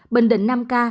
bình định năm ca